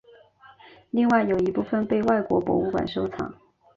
另外有一部份被外国博物馆收藏。